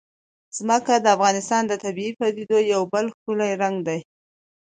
ځمکه د افغانستان د طبیعي پدیدو یو بل ښکلی رنګ دی.